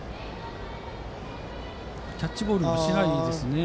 キャッチボールもしていないようですね。